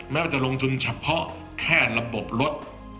แม้ว่าจะลงทุนเฉพาะแค่ระบบรถ